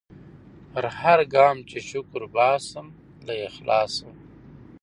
پر هرګام چي شکر باسم له اخلاصه